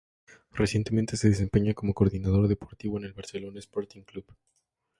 Recientemente, se desempeña como coordinador deportivo en el Barcelona Sporting Club.